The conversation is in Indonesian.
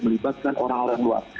melibatkan orang orang luar